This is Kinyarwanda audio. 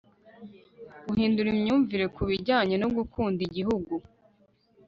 guhindura imyumvire ku bijyanye no gukunda igihugu